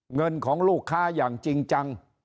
เงินของลูกค้าอย่างจริงจัง